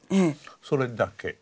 それだけ。